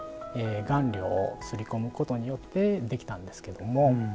顔料をすり込むことによってできたんですけども。